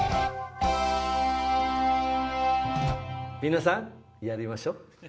皆さんヤリましょ。